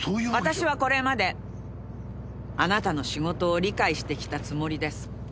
私はこれまであなたの仕事を理解してきたつもりです。